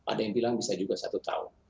ada yang bilang bisa juga satu tahun